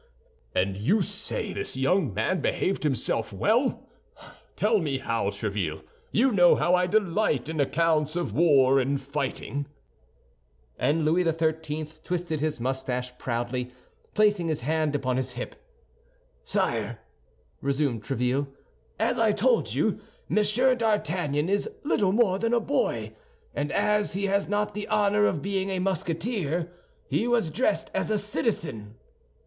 "And you say this young man behaved himself well? Tell me how, Tréville—you know how I delight in accounts of war and fighting." And Louis XIII. twisted his mustache proudly, placing his hand upon his hip. "Sire," resumed Tréville, "as I told you, Monsieur d'Artagnan is little more than a boy; and as he has not the honor of being a Musketeer, he was dressed as a citizen.